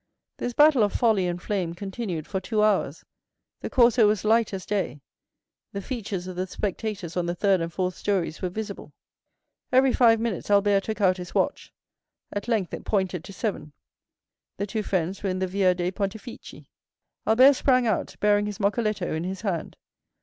This battle of folly and flame continued for two hours; the Corso was light as day; the features of the spectators on the third and fourth stories were visible. Every five minutes Albert took out his watch; at length it pointed to seven. The two friends were in the Via dei Pontefici. Albert sprang out, bearing his moccoletto in his hand.